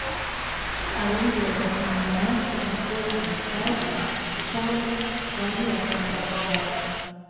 abandi bagakundana n’abakobwa batazwi cyangwa bamwe bakanga gushaka